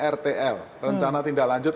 rtl rencana tindak lanjut